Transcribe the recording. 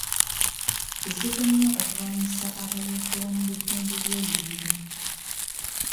Kizibu nnyo okulwanisa bayeekera mu bitundu by'ebibira.